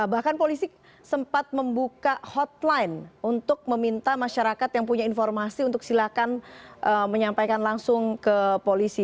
bahkan polisi sempat membuka hotline untuk meminta masyarakat yang punya informasi untuk silakan menyampaikan langsung ke polisi